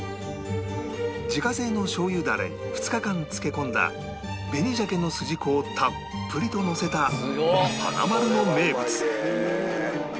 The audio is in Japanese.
自家製のしょう油ダレに２日間漬け込んだ紅鮭のすじこをたっぷりとのせた花まるの名物